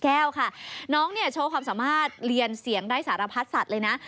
แก้วค่ะน้องเนี่ยโชว์ความสามารถเรียนเสียงได้สารพัดสัตว์เลยนะ